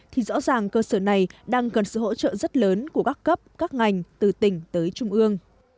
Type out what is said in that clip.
thì rõ ràng cơ sở này đang cần sự hỗ trợ rất lớn của các cấp các ngành từ tỉnh tới trung ương